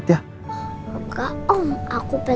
si buruk rupa